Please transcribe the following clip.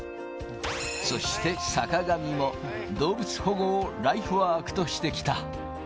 そして、坂上も動物保護をライフワークとしてきた。